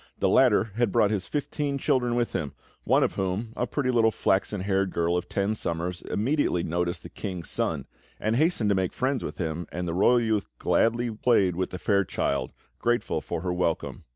The latter had brought his fifteen children with him, one of whom, a pretty little flaxen haired girl of ten summers, immediately noticed the King's Son, and hastened to make friends with him; and the royal youth gladly played with the fair child, grateful for her welcome.